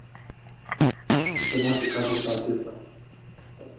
Este important să evităm alte cazuri ca acesta.